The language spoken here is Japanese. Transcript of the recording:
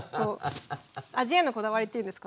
味へのこだわりっていうんですか？